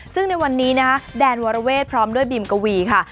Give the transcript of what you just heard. ซึ่งในวันนี้นะคะแดนวรเวทพร้อมด้วยบีมกวีค่ะ